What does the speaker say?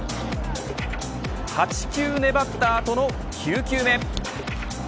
８球粘った後の９球目。